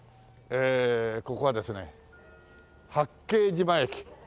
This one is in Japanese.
ええここはですね八景島駅。